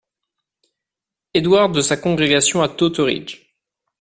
Edward's de sa congrégation à Totteridge.